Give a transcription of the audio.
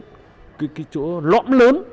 cái chỗ lõm lớn